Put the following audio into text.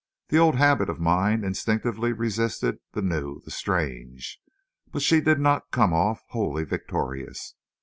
The old habit of mind instinctively resisted the new, the strange. But she did not come off wholly victorious.